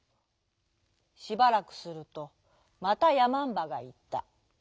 しばらくするとまたやまんばがいった。